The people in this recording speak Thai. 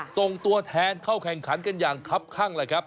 ส่งตัวแทนเข้าแข่งขันกันอย่างคับข้างเลยครับ